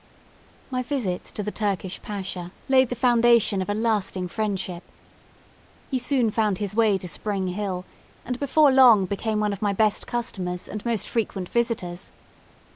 My visit to the Turkish Pacha laid the foundation of a lasting friendship. He soon found his way to Spring Hill, and before long became one of my best customers and most frequent visitors.